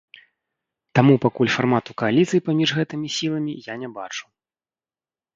Таму пакуль фармату кааліцыі паміж гэтымі сіламі я не бачу.